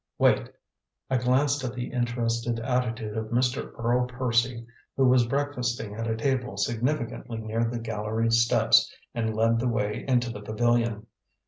"Wait!" I glanced at the interested attitude of Mr. Earl Percy, who was breakfasting at a table significantly near the gallery steps, and led the way into the pavilion.